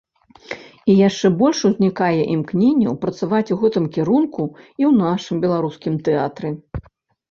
І яшчэ больш узнікае імкненняў працаваць у гэтым кірунку і ў нашым беларускім тэатры.